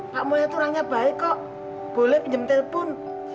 pak moya tuh orangnya baik kok boleh pinjem telepon